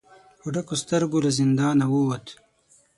په ډکو سترګو له زندانه ووت.